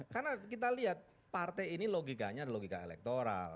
karena kita lihat partai ini logikanya ada logika elektoral